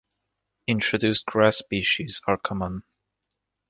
Introduced grass species are common.